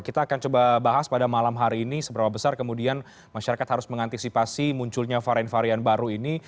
kita akan coba bahas pada malam hari ini seberapa besar kemudian masyarakat harus mengantisipasi munculnya varian varian baru ini